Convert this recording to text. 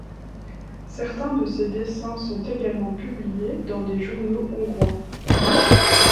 Certains de ses dessins sont également publiés dans des journaux Hongrois.